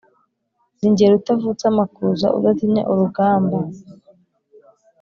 Ni jye Rutavutsamakuza udatinya urugamba